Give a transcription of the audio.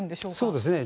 そうですね。